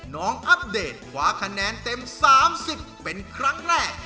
อัปเดตคว้าคะแนนเต็ม๓๐เป็นครั้งแรก